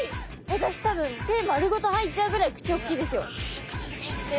私多分手丸ごと入っちゃうぐらい口おっきいですよ。